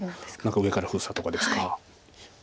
何か上から封鎖とかですか。